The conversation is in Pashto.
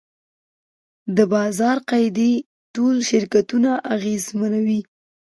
د بازار قاعدې ټول شرکتونه اغېزمنوي.